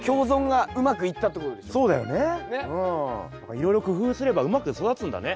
いろいろ工夫すればうまく育つんだね。